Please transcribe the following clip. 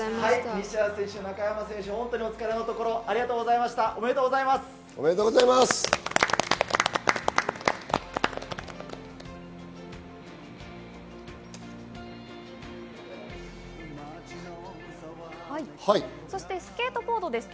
西矢選手、中山選手、ありがとうございました。